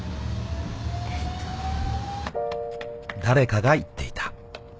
［誰かが言っていた］